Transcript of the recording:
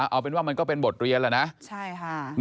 เอาเป็นว่ามันก็เป็นบทเรียนแหละนะใช่ค่ะ